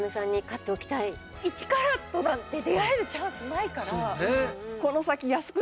１カラットなんて出会えるチャンスないから。